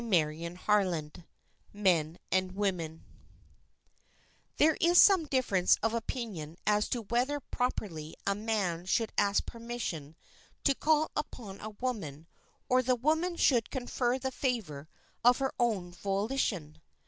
CHAPTER XII MEN AND WOMEN THERE is some difference of opinion as to whether properly a man should ask permission to call upon a woman or the woman should confer the favor of her own volition.